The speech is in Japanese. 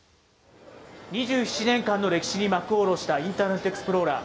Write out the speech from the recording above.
２７年間の歴史に幕を下ろしたインターネットエクスプローラー。